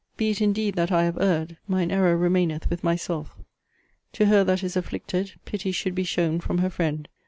Be it indeed that I have erred, mine error remaineth with myself. To her that is afflicted, pity should be shown from her friend.